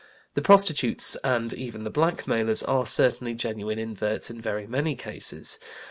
The prostitutes and even the blackmailers are certainly genuine inverts in very many cases.